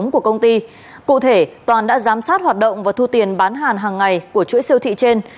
của công ty cụ thể toàn đã giám sát hoạt động và thu tiền bán hàng hàng ngày của chuỗi siêu thị trên